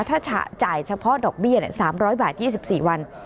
ถ้าจ่ายเฉพาะดอกเบี้ย๓๐๐บาท๒๔วัน